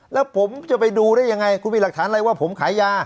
แล้วผมจะไปดูได้ยังไงคุณมีหลักฐานอะไรว่าผมขายยา